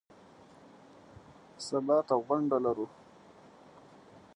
سبا ته غونډه لرو .